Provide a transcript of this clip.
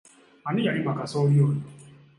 Ani yalima kasooli oyo?